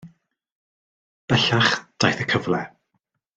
Bellach, daeth y cyfle.